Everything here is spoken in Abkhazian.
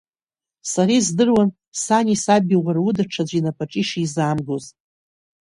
Сара издыруан сани саби уара уда аҽаӡәы инапаҿы ишизаамгоз…